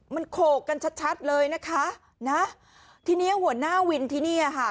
เท่าไรสี่สิบบาทโอ้โฮ